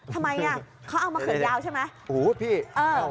ทำไมเค้าเอามะเข่นยาวใช่ไหม